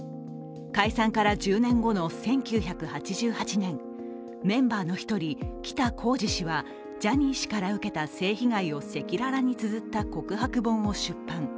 解散から１０年後の１９８８年メンバーの１人、北公次氏はジャニー氏から受けた性被害を赤裸々につづった告白本を出版。